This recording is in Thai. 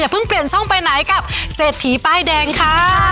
เพิ่งเปลี่ยนช่องไปไหนกับเศรษฐีป้ายแดงค่ะ